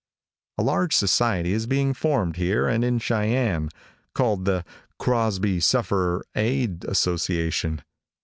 A large society is being formed here and in Cheyenne, called the "Crosby Sufferer Aid Association."